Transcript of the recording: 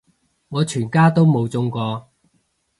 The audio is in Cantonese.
我全家都冇中過